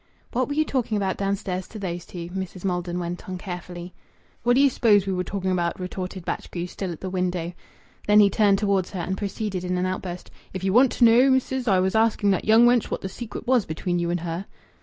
"What were you talking about downstairs to those two?" Mrs. Maldon went on carefully. "What d'ye suppose we were talking about?" retorted Batchgrew, still at the window. Then he turned towards her and proceeded in an outburst: "If you want to know, missis, I was asking that young wench what the secret was between you and her."